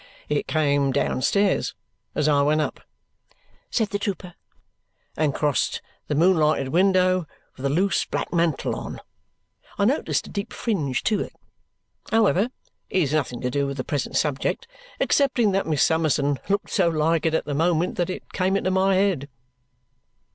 "It came downstairs as I went up," said the trooper, "and crossed the moonlighted window with a loose black mantle on; I noticed a deep fringe to it. However, it has nothing to do with the present subject, excepting that Miss Summerson looked so like it at the moment that it came into my head."